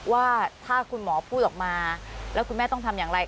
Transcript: ว่าถ้าคุณหมอพูดออกมาแล้วคุณแม่ต้องทำอย่างไร